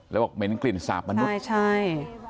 แล้วบอกเหม็นกลิ่นสาบมนุษย์ใช่